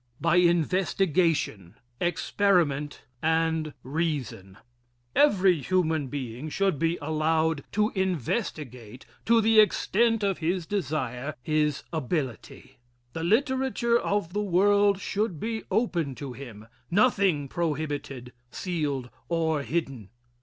By investigation, experiment and reason. Every human being should be allowed to investigate to the extent of his desire his ability. The literature of the world should be open to him nothing prohibited, sealed or hidden.